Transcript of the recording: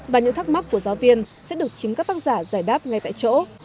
và những thắc mắc của giáo viên sẽ được chính các tác giả giải đáp ngay tại chỗ